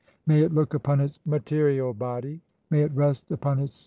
(12) May "it look upon its material body, may it rest upon its spiritual 1.